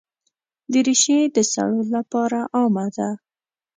دریشي د سړو لپاره عامه ده.